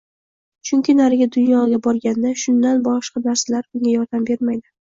Chunki narigi dunyoga borganda shundan boshqa narsalar unga yordam bermaydi.